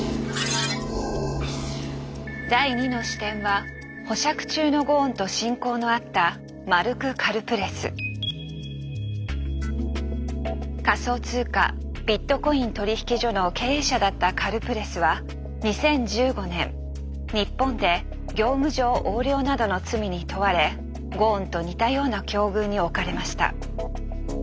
第２の視点は保釈中のゴーンと親交のあった仮想通貨ビットコイン取引所の経営者だったカルプレスは２０１５年日本で業務上横領などの罪に問われゴーンと似たような境遇に置かれました。